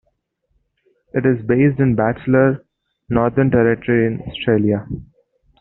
It is based in Batchelor, Northern Territory in Australia.